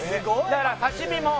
だから刺身も。